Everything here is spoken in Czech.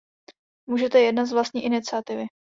Můžete jednat z vlastní iniciativy.